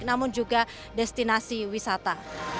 namun juga destinasi wisata